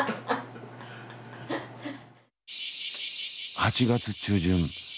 ８月中旬。